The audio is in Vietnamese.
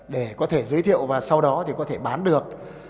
để có thể giới thiệu và sau đó thì có thể bán được